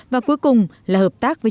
và cuối cùng là hợp tác với chúng tôi